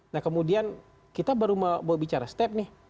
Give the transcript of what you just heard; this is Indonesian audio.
nah kemudian kita baru bicara step nih